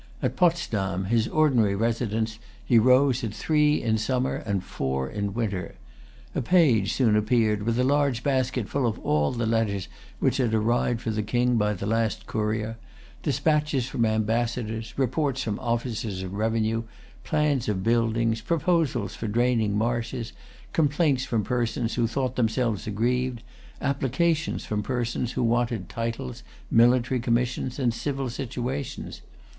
At Potsdam, his ordinary residence, he rose at three in summer and four in winter. A page soon appeared, with a large basket full of all the letters which had arrived for the King by the last courier, dispatches from ambassadors, reports from officers of revenue, plans of buildings, proposals for draining marshes, complaints from persons who thought themselves aggrieved, applications from persons who wanted titles, military commissions, and civil situations.